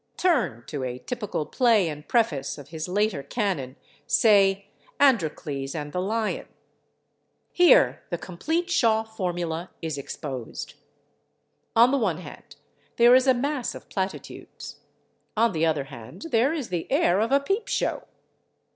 Turn to a typical play and preface of his later canon, say "Androcles and the Lion." Here the complete Shaw formula is exposed. On the one hand there is a mass of platitudes; on the other hand there is the air of a peep show.